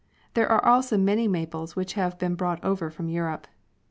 There are also many maples which have been brought over from Europe.